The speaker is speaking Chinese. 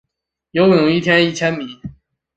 游泳一天一千米